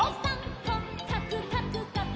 「こっかくかくかく」